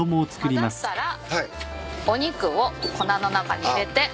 混ざったらお肉を粉の中に入れて。